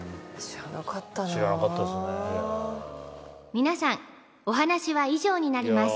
皆さんお話は以上になります